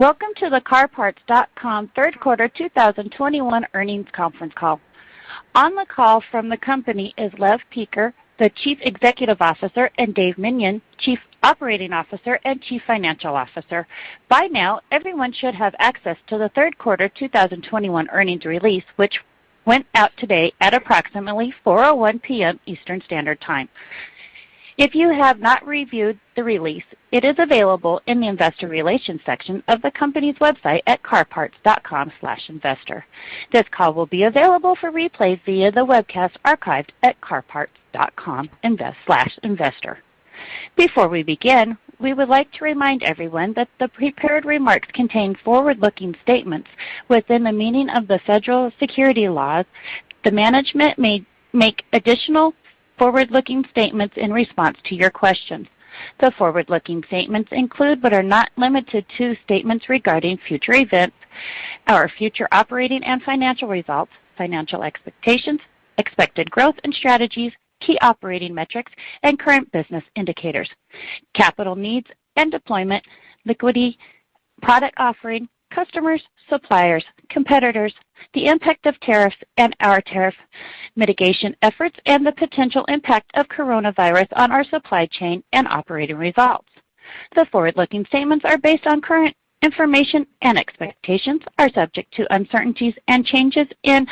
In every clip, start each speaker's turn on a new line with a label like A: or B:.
A: Welcome to the CarParts.com Third Quarter 2021 Earnings Conference Call. On the call from the company is Lev Peker, the Chief Executive Officer, and David Meniane, Chief Operating Officer and Chief Financial Officer. By now, everyone should have access to the third quarter 2021 earnings release, which went out today at approximately 4:01 P.M. Eastern Standard Time. If you have not reviewed the release, it is available in the Investor Relations section of the company's website at carparts.com/investor. This call will be available for replay via the webcast archived at carparts.com/investor. Before we begin, we would like to remind everyone that the prepared remarks contain forward-looking statements within the meaning of the Federal Securities Laws. The management may make additional forward-looking statements in response to your questions. The forward-looking statements include, but are not limited to, statements regarding future events, our future operating and financial results, financial expectations, expected growth and strategies, key operating metrics and current business indicators, capital needs and deployment, liquidity, product offering, customers, suppliers, competitors, the impact of tariffs and our tariff mitigation efforts, and the potential impact of coronavirus on our supply chain and operating results. The forward-looking statements are based on current information and expectations, are subject to uncertainties and changes in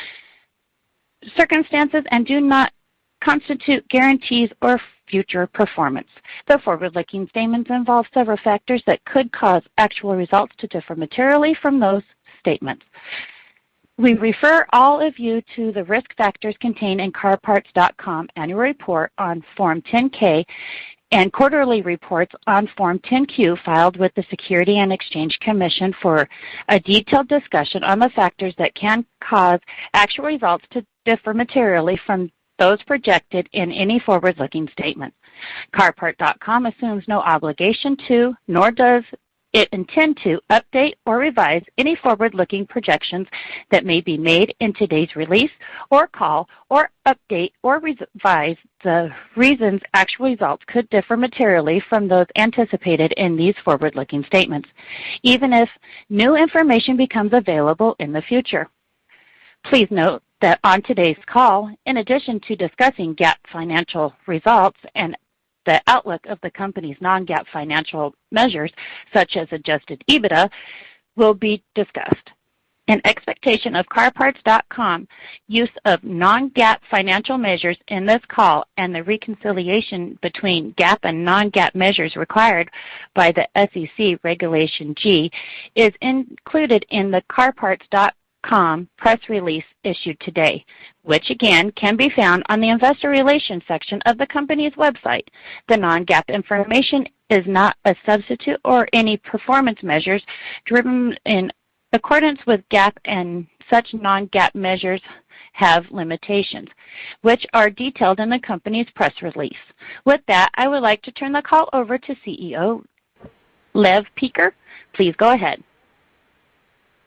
A: circumstances and do not constitute guarantees or future performance. The forward-looking statements involve several factors that could cause actual results to differ materially from those statements. We refer all of you to the risk factors contained in CarParts.com annual report on Form 10-K and quarterly reports on Form 10-Q filed with the Securities and Exchange Commission for a detailed discussion on the factors that can cause actual results to differ materially from those projected in any forward-looking statement. CarParts.com assumes no obligation to, nor does it intend to update or revise any forward-looking projections that may be made in today's release or call or update or revise the reasons actual results could differ materially from those anticipated in these forward-looking statements, even if new information becomes available in the future. Please note that on today's call, in addition to discussing GAAP financial results and the outlook of the company's non-GAAP financial measures, such as Adjusted EBITDA, will be discussed. An expectation of CarParts.com use of non-GAAP financial measures in this call and the reconciliation between GAAP and non-GAAP measures required by the SEC Regulation G is included in the CarParts.com press release issued today, which again can be found on the Investor Relations section of the company's website. The non-GAAP information is not a substitute for any performance measures derived in accordance with GAAP and such non-GAAP measures have limitations, which are detailed in the company's press release. With that, I would like to turn the call over to CEO Lev Peker. Please go ahead.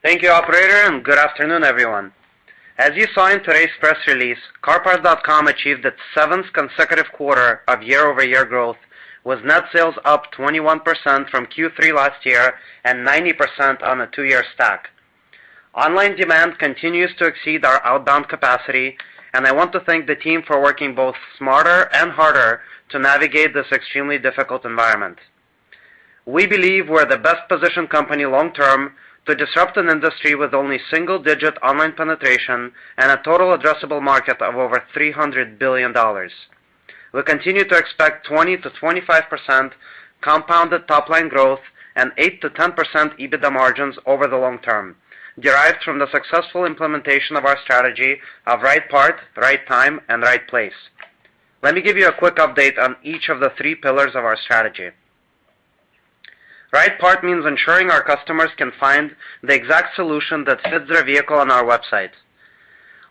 B: Thank you, operator, and good afternoon, everyone. As you saw in today's press release, CarParts.com achieved its seventh consecutive quarter of year-over-year growth, with net sales up 21% from Q3 last year and 90% on a two-year stack. Online demand continues to exceed our outbound capacity, and I want to thank the team for working both smarter and harder to navigate this extremely difficult environment. We believe we're the best-positioned company long term to disrupt an industry with only single-digit online penetration and a total addressable market of over $300 billion. We continue to expect 20%-25% compounded top-line growth and 8%-10% EBITDA margins over the long term, derived from the successful implementation of our strategy of right part, right time, and right place. Let me give you a quick update on each of the three pillars of our strategy. Right part means ensuring our customers can find the exact solution that fits their vehicle on our website.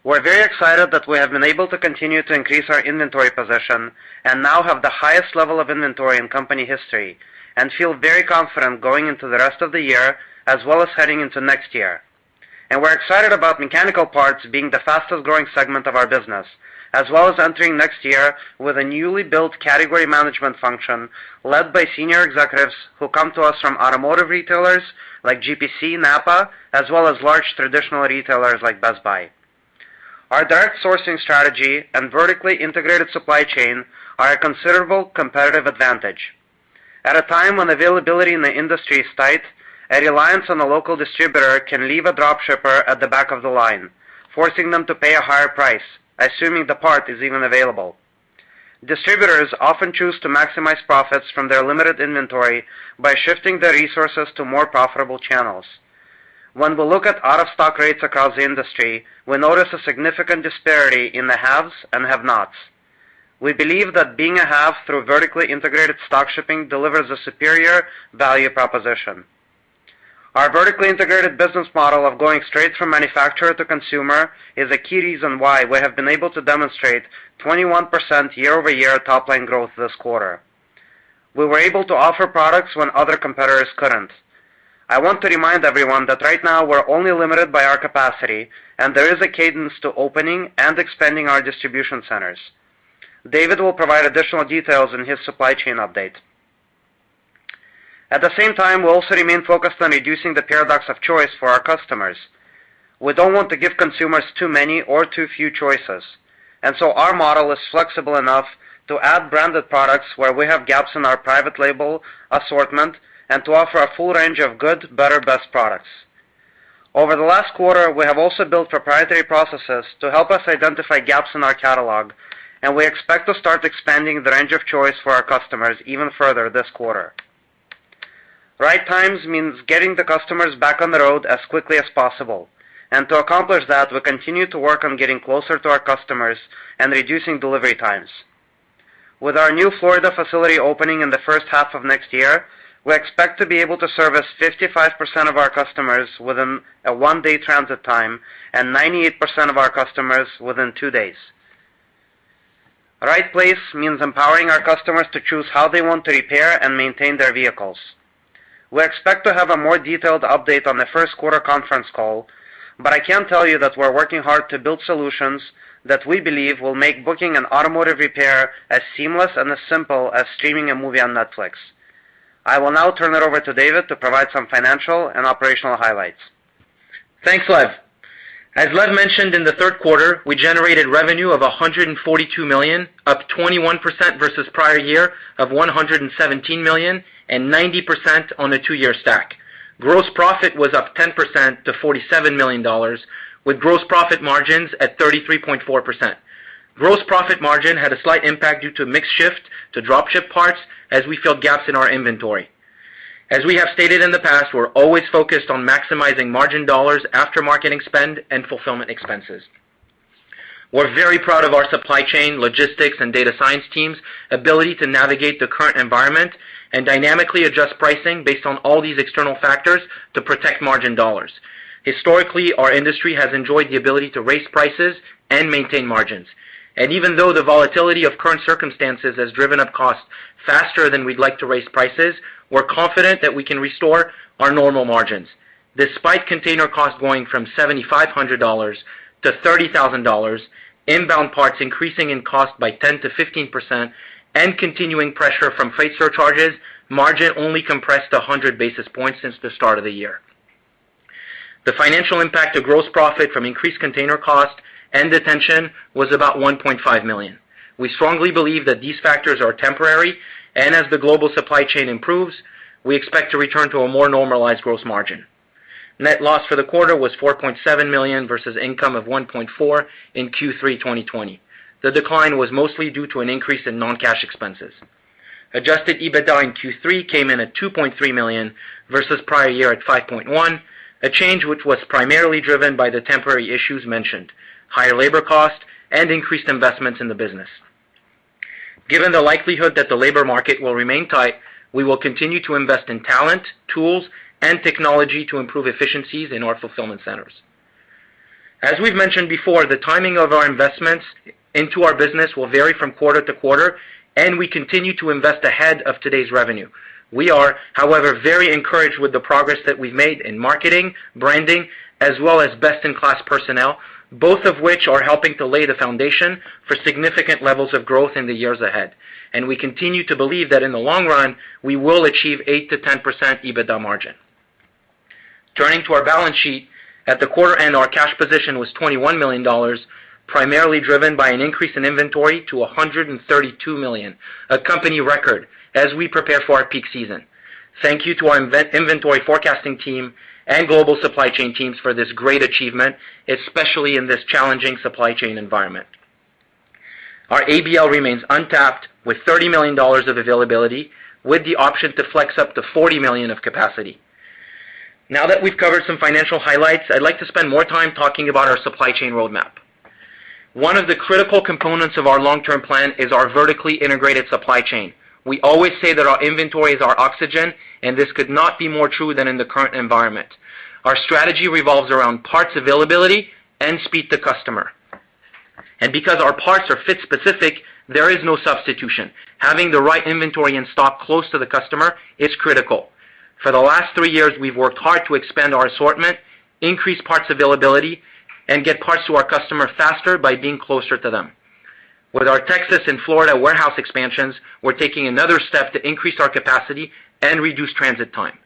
B: We're very excited that we have been able to continue to increase our inventory position and now have the highest level of inventory in company history and feel very confident going into the rest of the year as well as heading into next year. We're excited about mechanical parts being the fastest-growing segment of our business, as well as entering next year with a newly built category management function led by senior executives who come to us from automotive retailers like GPC, NAPA, as well as large traditional retailers like Best Buy. Our direct sourcing strategy and vertically integrated supply chain are a considerable competitive advantage. At a time when availability in the industry is tight, a reliance on a local distributor can leave a drop shipper at the back of the line, forcing them to pay a higher price, assuming the part is even available. Distributors often choose to maximize profits from their limited inventory by shifting their resources to more profitable channels. When we look at out-of-stock rates across the industry, we notice a significant disparity in the haves and have-nots. We believe that being a have through vertically integrated stock shipping delivers a superior value proposition. Our vertically integrated business model of going straight from manufacturer to consumer is a key reason why we have been able to demonstrate 21% year-over-year top-line growth this quarter. We were able to offer products when other competitors couldn't. I want to remind everyone that right now we're only limited by our capacity, and there is a cadence to opening and expanding our distribution centers. David will provide additional details in his supply chain update. At the same time, we also remain focused on reducing the paradox of choice for our customers. We don't want to give consumers too many or too few choices. Our model is flexible enough to add branded products where we have gaps in our private label assortment and to offer a full range of good, better, best products. Over the last quarter, we have also built proprietary processes to help us identify gaps in our catalog, and we expect to start expanding the range of choice for our customers even further this quarter. Right time means getting the customers back on the road as quickly as possible. To accomplish that, we continue to work on getting closer to our customers and reducing delivery times. With our new Florida facility opening in the first half of next year, we expect to be able to service 55% of our customers within a one-day transit time and 98% of our customers within two days. Right place means empowering our customers to choose how they want to repair and maintain their vehicles. We expect to have a more detailed update on the first quarter conference call, but I can tell you that we're working hard to build solutions that we believe will make booking an automotive repair as seamless and as simple as streaming a movie on Netflix. I will now turn it over to David to provide some financial and operational highlights.
C: Thanks, Lev. As Lev mentioned in the third quarter, we generated revenue of $142 million, up 21% versus prior year of $117 million and 90% on a two-year stack. Gross profit was up 10% to $47 million with gross profit margins at 33.4%. Gross profit margin had a slight impact due to mix shift to drop ship parts as we fill gaps in our inventory. As we have stated in the past, we're always focused on maximizing margin dollars after marketing spend and fulfillment expenses. We're very proud of our supply chain, logistics, and data science teams' ability to navigate the current environment and dynamically adjust pricing based on all these external factors to protect margin dollars. Historically, our industry has enjoyed the ability to raise prices and maintain margins. Even though the volatility of current circumstances has driven up costs faster than we'd like to raise prices, we're confident that we can restore our normal margins. Despite container costs going from $7,500 to $30,000, inbound parts increasing in cost by 10%-15% and continuing pressure from freight surcharges, margin only compressed 100 basis points since the start of the year. The financial impact to gross profit from increased container cost and detention was about $1.5 million. We strongly believe that these factors are temporary, and as the global supply chain improves, we expect to return to a more normalized gross margin. Net loss for the quarter was $4.7 million versus income of $1.4 million in Q3 2020. The decline was mostly due to an increase in non-cash expenses. Adjusted EBITDA in Q3 came in at $2.3 million versus prior year at $5.1 million, a change which was primarily driven by the temporary issues mentioned, higher labor cost and increased investments in the business. Given the likelihood that the labor market will remain tight, we will continue to invest in talent, tools, and technology to improve efficiencies in our fulfillment centers. As we've mentioned before, the timing of our investments into our business will vary from quarter-to-quarter, and we continue to invest ahead of today's revenue. We are, however, very encouraged with the progress that we've made in marketing, branding, as well as best-in-class personnel, both of which are helping to lay the foundation for significant levels of growth in the years ahead. We continue to believe that in the long run, we will achieve 8%-10% EBITDA margin. Turning to our balance sheet. At the quarter end, our cash position was $21 million, primarily driven by an increase in inventory to $132 million, a company record, as we prepare for our peak season. Thank you to our inventory forecasting team and global supply chain teams for this great achievement, especially in this challenging supply chain environment. Our ABL remains untapped with $30 million of availability, with the option to flex up to $40 million of capacity. Now that we've covered some financial highlights, I'd like to spend more time talking about our supply chain roadmap. One of the critical components of our long-term plan is our vertically integrated supply chain. We always say that our inventory is our oxygen, and this could not be more true than in the current environment. Our strategy revolves around parts availability and speed to customer. Because our parts are fit specific, there is no substitution. Having the right inventory in stock close to the customer is critical. For the last three years, we've worked hard to expand our assortment, increase parts availability, and get parts to our customer faster by being closer to them. With our Texas and Florida warehouse expansions, we're taking another step to increase our capacity and reduce transit time.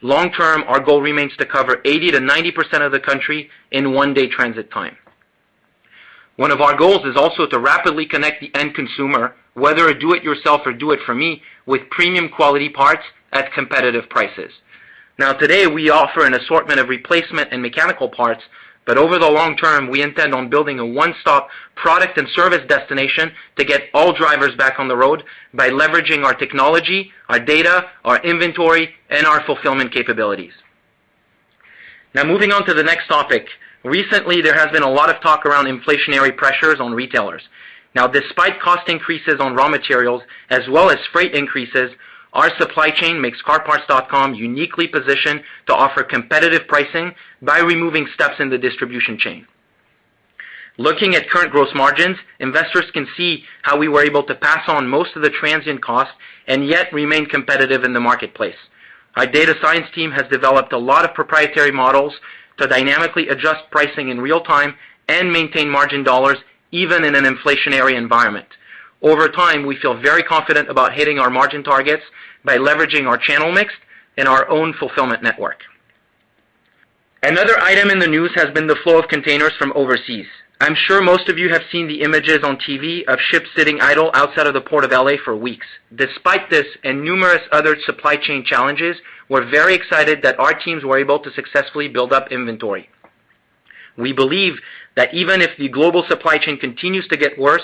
C: Long-term, our goal remains to cover 80%-90% of the country in one-day transit time. One of our goals is also to rapidly connect the end consumer, whether a do it yourself or do it for me, with premium quality parts at competitive prices. Now, today, we offer an assortment of replacement and mechanical parts, but over the long term, we intend on building a one-stop product and service destination to get all drivers back on the road by leveraging our technology, our data, our inventory, and our fulfillment capabilities. Now, moving on to the next topic. Recently, there has been a lot of talk around inflationary pressures on retailers. Now, despite cost increases on raw materials as well as freight increases, our supply chain makes CarParts.com uniquely positioned to offer competitive pricing by removing steps in the distribution chain. Looking at current gross margins, investors can see how we were able to pass on most of the transient costs and yet remain competitive in the marketplace. Our data science team has developed a lot of proprietary models to dynamically adjust pricing in real time and maintain margin dollars even in an inflationary environment. Over time, we feel very confident about hitting our margin targets by leveraging our channel mix and our own fulfillment network. Another item in the news has been the flow of containers from overseas. I'm sure most of you have seen the images on TV of ships sitting idle outside of the port of L.A. for weeks. Despite this and numerous other supply chain challenges, we're very excited that our teams were able to successfully build up inventory. We believe that even if the global supply chain continues to get worse,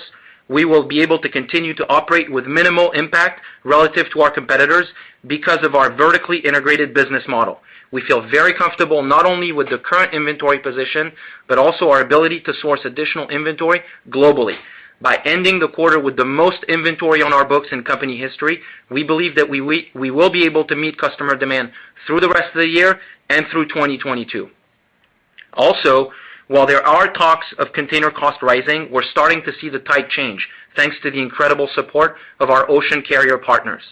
C: we will be able to continue to operate with minimal impact relative to our competitors because of our vertically integrated business model. We feel very comfortable not only with the current inventory position, but also our ability to source additional inventory globally. By ending the quarter with the most inventory on our books in company history, we believe that we will be able to meet customer demand through the rest of the year and through 2022. Also, while there are talks of container cost rising, we're starting to see the tide change thanks to the incredible support of our ocean carrier partners.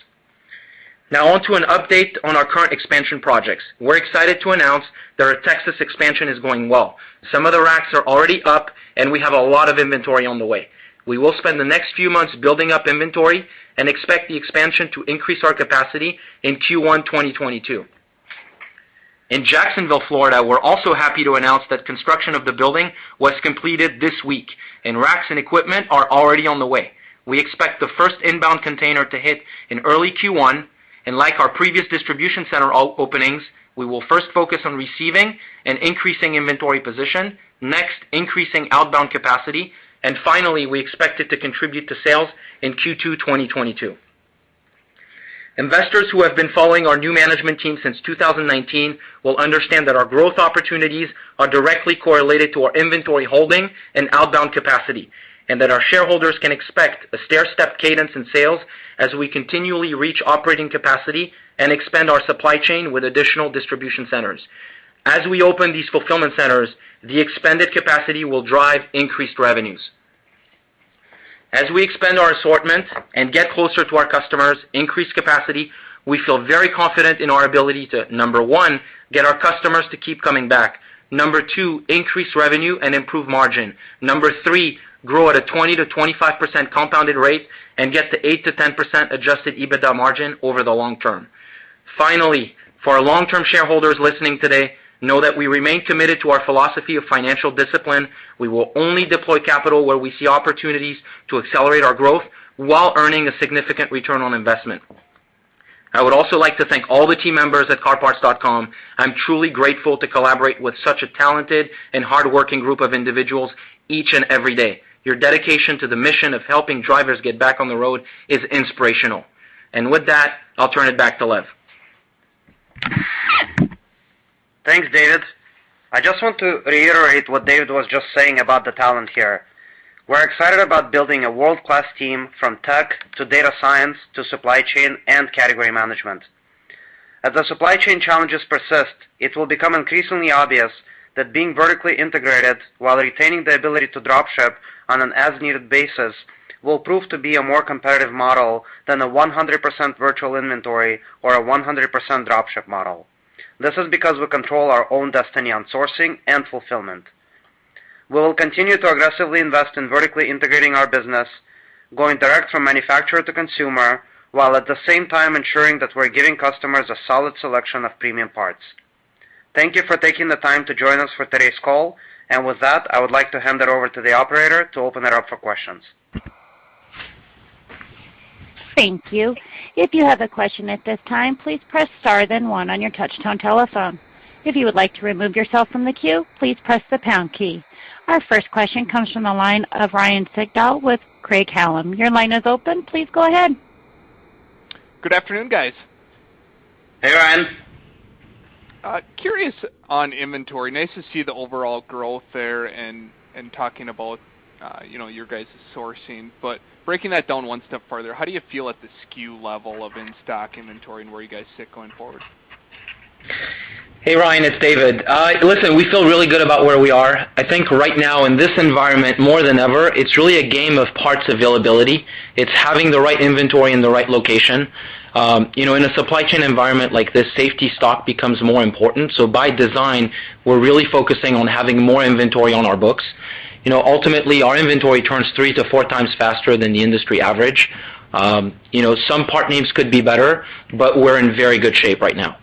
C: Now on to an update on our current expansion projects. We're excited to announce that our Texas expansion is going well. Some of the racks are already up, and we have a lot of inventory on the way. We will spend the next few months building up inventory and expect the expansion to increase our capacity in Q1 2022. In Jacksonville, Florida, we're also happy to announce that construction of the building was completed this week, and racks and equipment are already on the way. We expect the first inbound container to hit in early Q1, and like our previous distribution center openings, we will first focus on receiving and increasing inventory position. Next, increasing outbound capacity. Finally, we expect it to contribute to sales in Q2, 2022. Investors who have been following our new management team since 2019 will understand that our growth opportunities are directly correlated to our inventory holding and outbound capacity, and that our shareholders can expect a stairstep cadence in sales as we continually reach operating capacity and expand our supply chain with additional distribution centers. As we open these fulfillment centers, the expanded capacity will drive increased revenues. As we expand our assortment and get closer to our customers, increase capacity, we feel very confident in our ability to, number one, get our customers to keep coming back. Number two, increase revenue and improve margin. Number three, grow at a 20%-25% compounded rate and get to 8%-10% Adjusted EBITDA margin over the long term. Finally, for our long-term shareholders listening today, know that we remain committed to our philosophy of financial discipline. We will only deploy capital where we see opportunities to accelerate our growth while earning a significant return on investment. I would also like to thank all the team members at CarParts.com. I'm truly grateful to collaborate with such a talented and hardworking group of individuals each and every day. Your dedication to the mission of helping drivers get back on the road is inspirational. With that, I'll turn it back to Lev.
B: Thanks, David. I just want to reiterate what David was just saying about the talent here. We're excited about building a world-class team from tech to data science to supply chain and category management. As the supply chain challenges persist, it will become increasingly obvious that being vertically integrated while retaining the ability to drop ship on an as-needed basis will prove to be a more competitive model than a 100% virtual inventory or a 100% drop ship model. This is because we control our own destiny on sourcing and fulfillment. We will continue to aggressively invest in vertically integrating our business, going direct from manufacturer to consumer, while at the same time ensuring that we're giving customers a solid selection of premium parts. Thank you for taking the time to join us for today's call. With that, I would like to hand it over to the operator to open it up for questions.
A: Thank you. If you have a question at this time, please press star then one on your touchtone telephone. If you would like to remove yourself from the queue, please press the pound key. Our first question comes from the line of Ryan Sigdahl with Craig-Hallum. Your line is open. Please go ahead.
D: Good afternoon, guys.
B: Hey, Ryan.
D: I'm curious on inventory. Nice to see the overall growth there and talking about you know, your guys' sourcing. Breaking that down one step further, how do you feel at the SKU level of in-stock inventory and where you guys sit going forward?
C: Hey, Ryan, it's David. Listen, we feel really good about where we are. I think right now in this environment, more than ever, it's really a game of parts availability. It's having the right inventory in the right location. You know, in a supply chain environment like this, safety stock becomes more important. By design, we're really focusing on having more inventory on our books. You know, ultimately, our inventory turns threeto four times faster than the industry average. You know, some part names could be better, but we're in very good shape right now.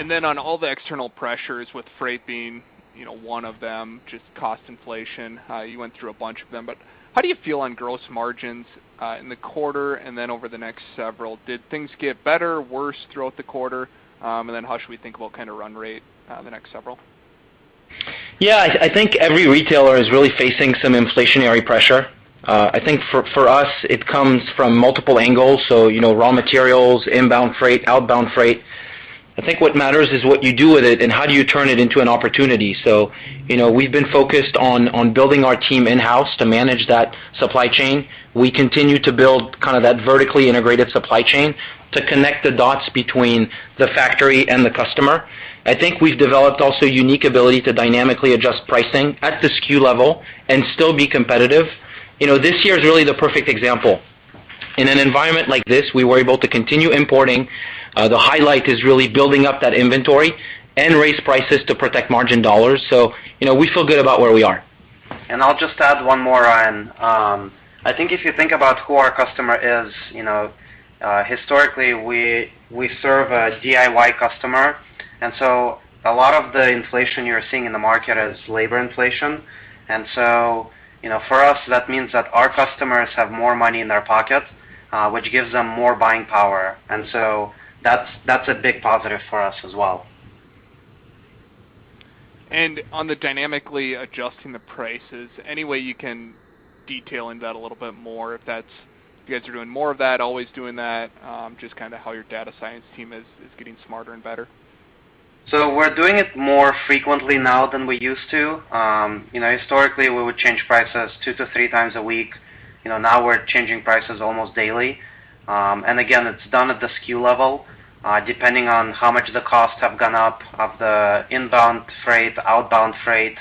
D: On all the external pressures with freight being, you know, one of them, just cost inflation, you went through a bunch of them, but how do you feel on gross margins in the quarter and then over the next several? Did things get better or worse throughout the quarter? How should we think about kind of run rate the next several?
C: Yeah. I think every retailer is really facing some inflationary pressure. I think for us, it comes from multiple angles. You know, raw materials, inbound freight, outbound freight. I think what matters is what you do with it and how do you turn it into an opportunity. You know, we've been focused on building our team in-house to manage that supply chain. We continue to build kind of that vertically integrated supply chain to connect the dots between the factory and the customer. I think we've developed also a unique ability to dynamically adjust pricing at the SKU level and still be competitive. You know, this year is really the perfect example. In an environment like this, we were able to continue importing. The highlight is really building up that inventory and raise prices to protect margin dollars. You know, we feel good about where we are.
B: I'll just add one more, Ryan. I think if you think about who our customer is, you know, historically, we serve a DIY customer, and so a lot of the inflation you're seeing in the market is labor inflation. You know, for us, that means that our customers have more money in their pocket, which gives them more buying power. That's a big positive for us as well.
D: On the dynamically adjusting the prices, any way you can detail in that a little bit more, if that's if you guys are doing more of that, always doing that, just kinda how your Data Science team is getting smarter and better.
B: We're doing it more frequently now than we used to. You know, historically, we would change prices two to three times a week. You know, now we're changing prices almost daily. Again, it's done at the SKU level, depending on how much the costs have gone up of the inbound freight, outbound freight,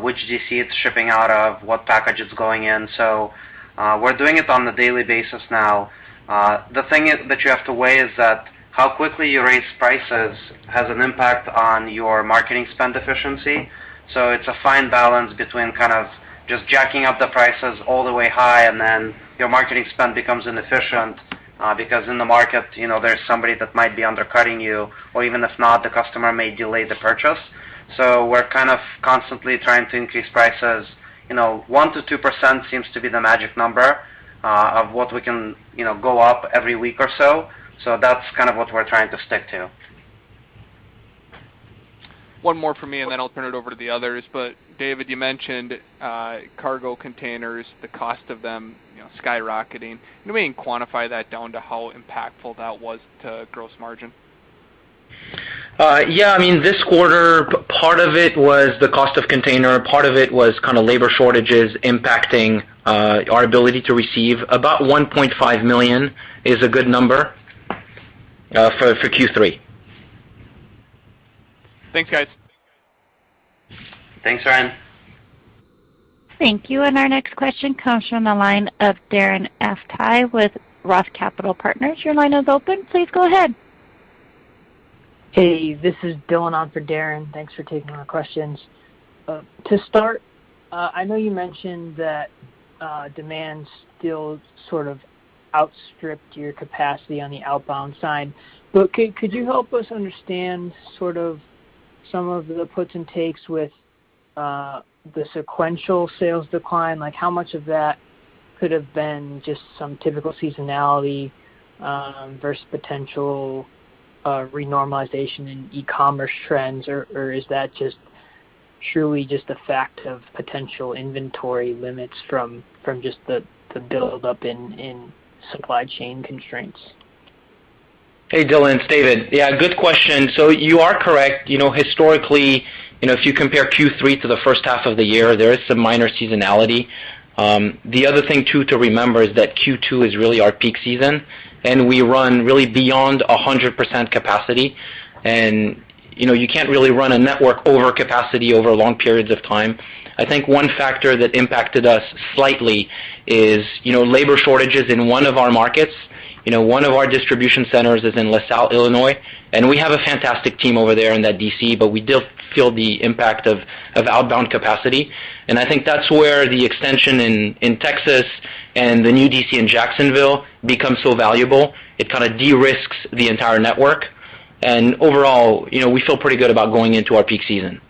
B: which DC it's shipping out of, what package is going in. We're doing it on a daily basis now. The thing is that you have to weigh is that how quickly you raise prices has an impact on your marketing spend efficiency. It's a fine balance between kind of just jacking up the prices all the way high, and then your marketing spend becomes inefficient, because in the market, you know, there's somebody that might be undercutting you, or even if not, the customer may delay the purchase. We're kind of constantly trying to increase prices. You know, 1%-2% seems to be the magic number, of what we can, you know, go up every week or so that's kind of what we're trying to stick to.
D: One more for me, and then I'll turn it over to the others. David, you mentioned cargo containers, the cost of them, skyrocketing. Can we quantify that down to how impactful that was to gross margin?
C: Yeah. I mean, this quarter, part of it was the cost of container, part of it was kinda labor shortages impacting our ability to receive. About $1.5 million is a good number for Q3.
D: Thanks, guys.
B: Thanks, Ryan.
A: Thank you. Our next question comes from the line of Darren Aftahi with Roth Capital Partners. Your line is open. Please go ahead.
E: Hey, this is Dylan on for Darren Aftahi. Thanks for taking our questions. To start, I know you mentioned that demand still sort of outstripped your capacity on the outbound side. Could you help us understand sort of some of the puts and takes with the sequential sales decline? Like, how much of that could have been just some typical seasonality versus potential renormalization in e-commerce trends? Or is that just truly a fact of potential inventory limits from just the build-up in supply chain constraints?
C: Hey, Dylan, it's David. Yeah, good question. You are correct. You know, historically, you know, if you compare Q3 to the first half of the year, there is some minor seasonality. The other thing too to remember is that Q2 is really our peak season, and we run really beyond 100% capacity. You know, you can't really run a network over capacity over long periods of time. I think one factor that impacted us slightly is, you know, labor shortages in one of our markets. You know, one of our distribution centers is in La Salle, Illinois, and we have a fantastic team over there in that DC, but we did feel the impact of outbound capacity. I think that's where the extension in Texas and the new DC in Jacksonville becomes so valuable. It kinda de-risks the entire network. Overall, you know, we feel pretty good about going into our peak season.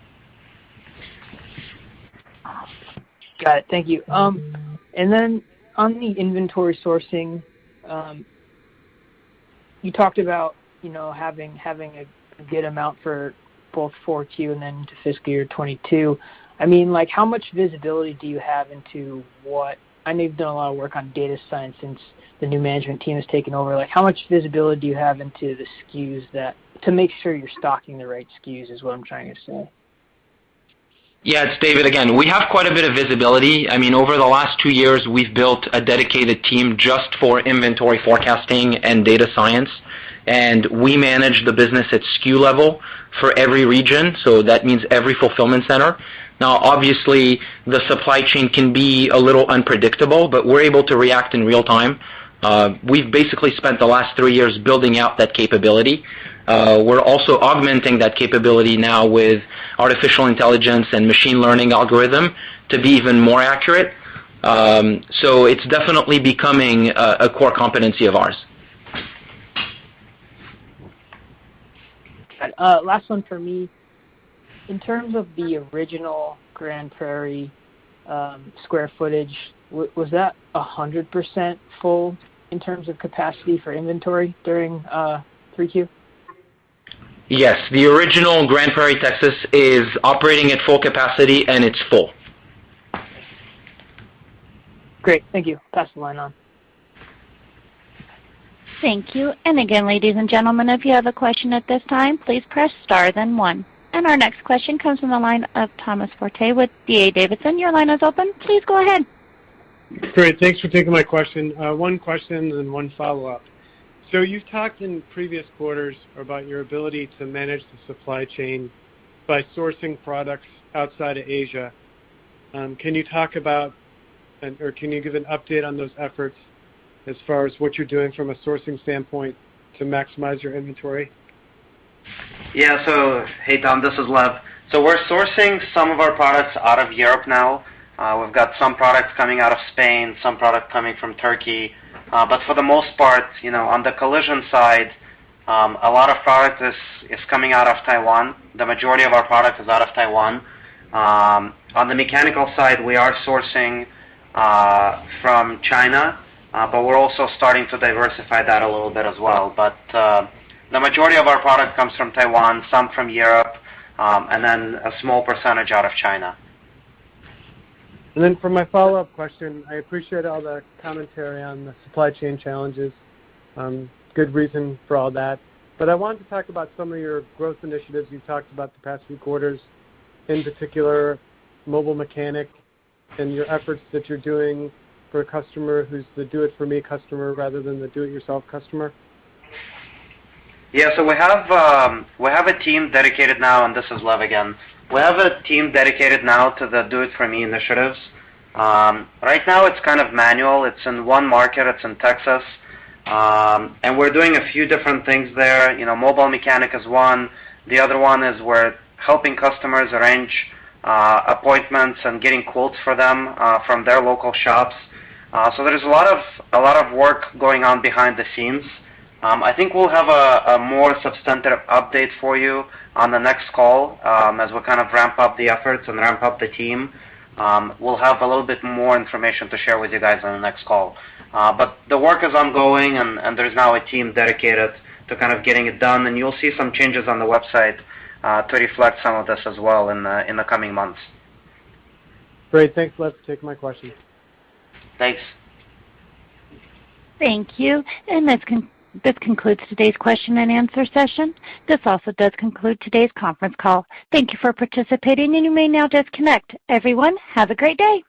E: Got it. Thank you. On the inventory sourcing, you talked about, you know, having a good amount for both 4Q and then into fiscal year 2022. I mean, like, how much visibility do you have into what I know you've done a lot of work on data science since the new management team has taken over. Like, how much visibility do you have into the SKUs that to make sure you're stocking the right SKUs, is what I'm trying to say.
C: Yeah. It's David again. We have quite a bit of visibility. I mean, over the last two years, we've built a dedicated team just for inventory forecasting and data science, and we manage the business at SKU level for every region, so that means every fulfillment center. Now, obviously, the supply chain can be a little unpredictable, but we're able to react in real time. We've basically spent the last three years building out that capability. We're also augmenting that capability now with artificial intelligence and machine learning algorithm to be even more accurate. So it's definitely becoming a core competency of ours.
E: Got it. Last one for me. In terms of the original Grand Prairie, square footage, was that 100% full in terms of capacity for inventory during 3Q?
C: Yes. The original Grand Prairie, Texas, is operating at full capacity, and it's full.
E: Great. Thank you. Pass the line on.
A: Thank you. Again, ladies and gentlemen, if you have a question at this time, please press star then one. Our next question comes from the line of Thomas Forte with D.A. Davidson. Your line is open. Please go ahead.
F: Great. Thanks for taking my question. One question and then one follow-up. You've talked in previous quarters about your ability to manage the supply chain by sourcing products outside of Asia. Can you give an update on those efforts as far as what you're doing from a sourcing standpoint to maximize your inventory?
B: Yeah. Hey, Tom, this is Lev. We're sourcing some of our products out of Europe now. We've got some products coming out of Spain, some product coming from Turkey. For the most part, you know, on the collision side, a lot of product is coming out of Taiwan. The majority of our product is out of Taiwan. On the mechanical side, we are sourcing from China, but we're also starting to diversify that a little bit as well. The majority of our product comes from Taiwan, some from Europe, and then a small percentage out of China.
F: For my follow-up question, I appreciate all the commentary on the supply chain challenges, good reason for all that. I want to talk about some of your growth initiatives you've talked about the past few quarters. In particular, Mobile Mechanic and your efforts that you're doing for a customer who's the do it for me customer rather than the do it yourself customer.
B: This is Lev again. We have a team dedicated now to the do it for me initiatives. Right now it's kind of manual. It's in one market. It's in Texas. We're doing a few different things there. You know, Mobile Mechanic is one. The other one is we're helping customers arrange appointments and getting quotes for them from their local shops. There is a lot of work going on behind the scenes. I think we'll have a more substantive update for you on the next call as we kind of ramp up the efforts and ramp up the team. We'll have a little bit more information to share with you guys on the next call. The work is ongoing and there's now a team dedicated to kind of getting it done, and you'll see some changes on the website to reflect some of this as well in the coming months.
F: Great. Thanks, Lev. Take my questions.
B: Thanks.
A: Thank you. This concludes today's question and answer session. This also does conclude today's conference call. Thank you for participating, and you may now disconnect. Everyone, have a great day.